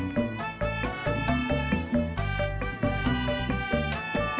emangnya mau ke tempat yang sama